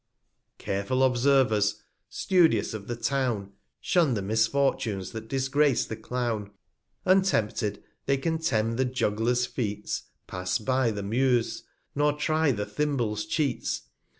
Careful Observers, studious of the Town, Shun the Misfortunes that disgrace the Clown. Untempted, they contemn the Jugler's Feats, 165 Pass by the Meuse^ nor try the * Thimble's Cheats.